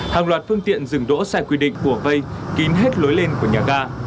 hàng loạt phương tiện dừng đỗ sai quy định của vây kín hết lối lên của nhà ga